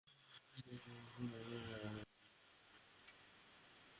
বাংলাদেশ ব্যাংকের চার নির্বাহী পরিচালককে এসব ব্যাংকে পর্যবেক্ষক হিসেবে নিয়োগ দেওয়া হয়।